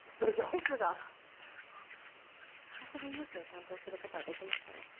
ですが私が融資を担当することはできません。